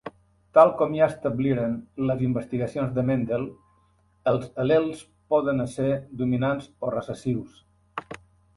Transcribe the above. Tal com ja establiren les investigacions de Mendel, els al·lels poden ésser dominants o recessius.